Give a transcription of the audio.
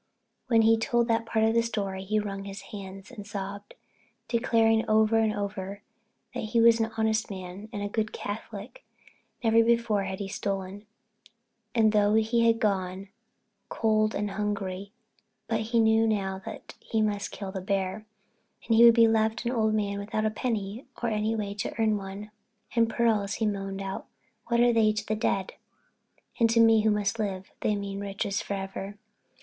When he told that part of his story he wrung his hands and sobbed, declaring over and over that he was an honest man and a good Catholic. Never before had he stolen, though often he had gone cold and hungry. But he knew now that he must kill the bear, and then he would be left an old man without a penny or any way to earn one. "And the pearls," he moaned out, "what are they to the dead? And to me, who must live, they mean riches forever."